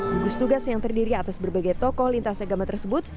gugus tugas yang terdiri atas berbagai tokoh lintas agama tersebut